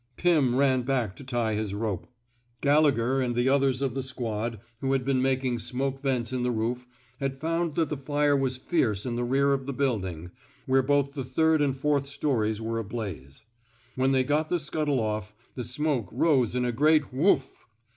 " Pim ran back to tie his rope. Gallegher and the others of the squad, who had been making smoke vents in the roof, 188 TEAINING '* SALLY'' WATERS had found that the fire was fierce in the rear of the building, where both the third and fourth stories were ablaze. When they got the scuttle off, the smoke rose in a great whoof."